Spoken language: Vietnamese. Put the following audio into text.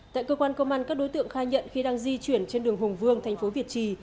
tại cơ quan công an các đối tượng khai nhận khi đang di chuyển trên đường hùng vương thành phố việt trì